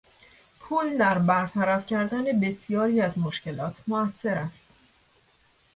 پول در برطرف کردن بسیاری از مشکلات موثر است.